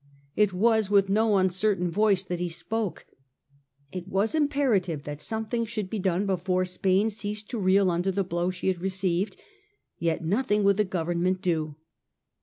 It was with no uncertain voice that he spoke. It was imperative that something should be done before Spain ceased to reel under the blow she had received, yet nothing would the Grovemment do.